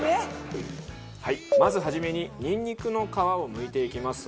まず初めにニンニクの皮をむいていきます。